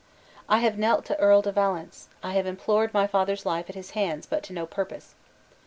"I have knelt to Earl de Valence; I have implored my father's life at his hands, but to no purpose.